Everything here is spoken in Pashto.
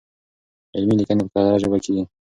علمي ليکنې په کره ژبه کيږي.